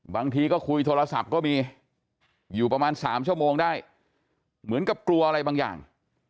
บางทีก็คุยโทรศัพท์ก็มีอยู่ประมาณ๓ชั่วโมงได้เหมือนกับกลัวอะไรบางอย่าง